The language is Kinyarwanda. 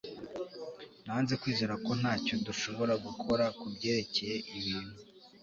Nanze kwizera ko ntacyo dushobora gukora kubyerekeye ibintu